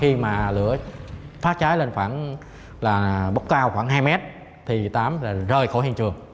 khi mà lửa phát trái lên khoảng là bốc cao khoảng hai mét thì tám rời khỏi hiện trường